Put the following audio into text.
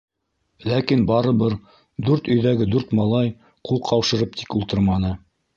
Ләкин барыбер дүрт өйҙәге дүрт малай ҡул ҡаушырып тик ултырманы.